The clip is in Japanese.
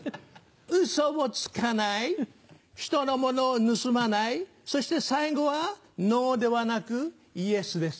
ウソをつかないひとのものを盗まないそして最後はノーではなくイエスです。